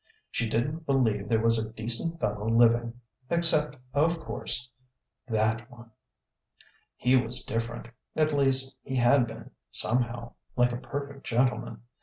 She didn't believe there was a decent fellow living ... except, of course, That One.... He was different; at least, he had been, somehow: like a perfect gentleman.